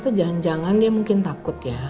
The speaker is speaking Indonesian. itu jangan jangan dia mungkin takut ya